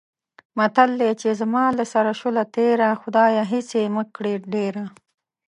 متل دی: چې زما له سره شوله تېره، خدایه هېڅ یې مه کړې ډېره.